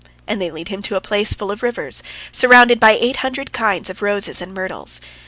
And they lead him to a place full of rivers, surrounded by eight hundred kinds of roses and myrtles.